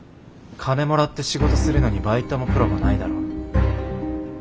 金もらって仕事するのにバイトもプロもないだろ。